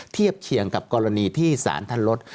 เทียบเคียงกับกรณีที่สารท่านลด